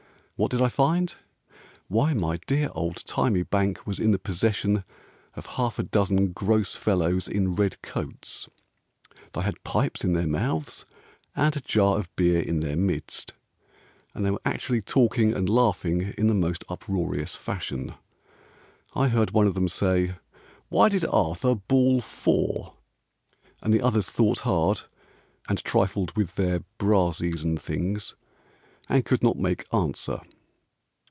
What did I find? Why, my dear old thymy bank Was in the possession Of half a dozen gross fellows in red coats, Thy had pipes in their mouths, And a jar of beer in their midst, And they were actually talking and laughing In the most uproarious fashion. I heard one of them say "Why did Arthur Bawl Fore?" And the others thought hard, And trifled with their brassies and things, And could not make answer.